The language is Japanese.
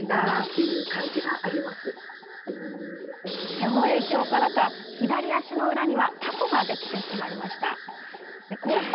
その影響からか、左足の裏にはタコができてしまいました。